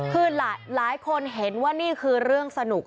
คือหลายคนเห็นว่านี่คือเรื่องสนุก